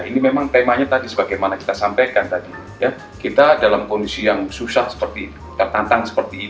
ini memang temanya tadi sebagaimana kita sampaikan tadi kita dalam kondisi yang susah seperti tertantang seperti ini